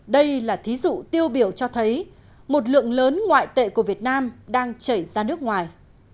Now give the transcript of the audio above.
đây là thí dụ tiêu biểu cho thấy một lượng lớn ngoại tệ của việt nam đang chảy ra nước ngoài